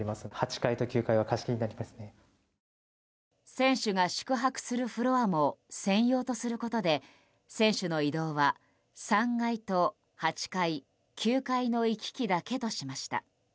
選手が宿泊するフロアも専用とすることで選手の移動は、３階と８階９階の行き来だけとしました。